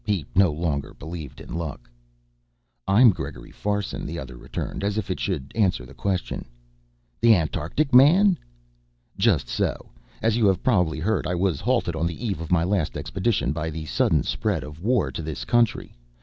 He no longer believed in luck. "I'm Gregory Farson," the other returned as if that should answer the question. "The Antarctic man!" "Just so. As you have probably heard, I was halted on the eve of my last expedition by the sudden spread of war to this country.